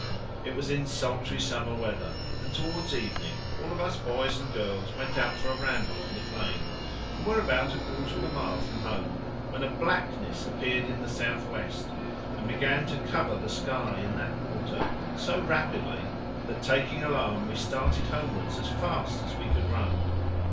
It was in sultry summer weather, and towards evening all of us boys and girls went out for a ramble on the plain, and were about a quarter of a mile from home when a blackness appeared in the south west, and began to cover the sky in that quarter so rapidly that, taking alarm, we started homewards as fast as we could run.